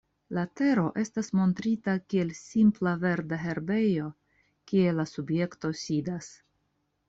La tero estas montrita kiel simpla verda herbejo, kie la subjekto sidas.